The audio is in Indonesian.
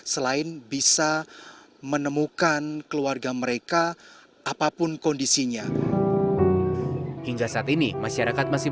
selain bisa menemukan keluarga mereka apapun kondisinya hingga saat ini masyarakat masih